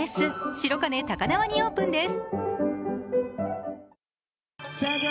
白金高輪にオープンです。